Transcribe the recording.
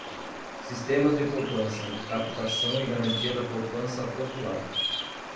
sistemas de poupança, captação e garantia da poupança popular;